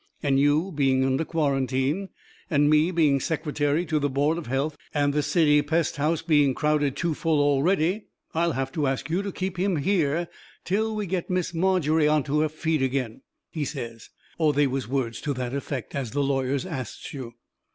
And you being under quarantine, and me being secretary to the board of health, and the city pest house being crowded too full already, I'll have to ask you to keep him here till we get Miss Margery onto her feet again," he says. Or they was words to that effect, as the lawyers asts you.